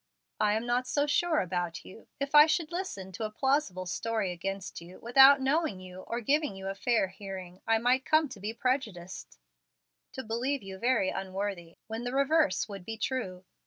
"I am not so sure about you. If I should listen to a plausible story against you, without knowing you or giving you a fair hearing, I might come to be prejudiced, to believe you very unworthy, when the reverse would be true.